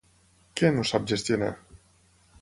Què no sap gestionar?